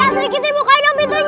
pasir kitty bukain dong pintunya